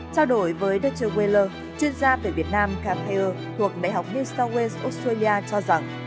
trao đổi với deto weller chuyên gia về việt nam capel thuộc đại học new south wales australia cho rằng